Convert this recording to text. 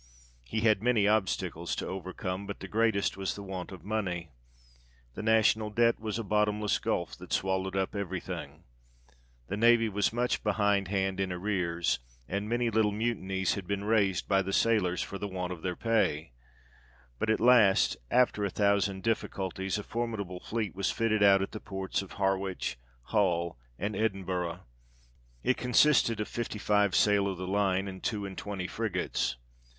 He had many obstacles to overcome, but the greatest was the want of money ; the National Debt was a bottomless gulf that swallowed up every thing. The navy was much behind hand in arrears, and many little mutinies had been raised by the sailors for the want of their pay, but at last, after a thousand difficulties a formidable fleet was fitted out at the ports of Harwich, Hull, and Edinburgh ; it con sisted of fifty five sail of the line, and two and twenty frigates.